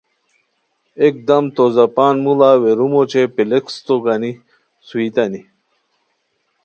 یکدم تو زپان موڑہ ویرومو اوچے پیلیسکتو گانی سوئیتانی